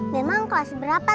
memang kelas berapa tante